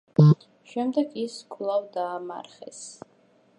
შემდეგ ის კვლავ დამარხეს.